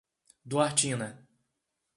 Duartina